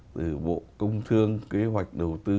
từ bộ công thương kế hoạch đầu tư